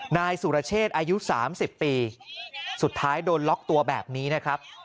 นายสุรเชษอายุ๓๐ปีสุดท้ายโดนล็อกตัวแบบนี้นะครับ